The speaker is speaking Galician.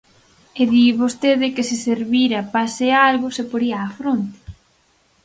E di vostede que se servira pase algo se poría á fronte.